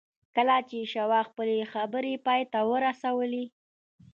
کله چې شواب خپلې خبرې پای ته ورسولې.